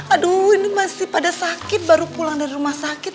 aduh ini masih pada sakit baru pulang dari rumah sakit